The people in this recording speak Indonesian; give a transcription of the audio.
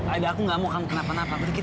ayah aku gak mau kamu kenapa napa